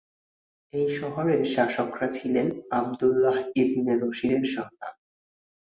এই শহরের শাসকরা ছিলেন আবদুল্লাহ ইবনে রশিদের সন্তান।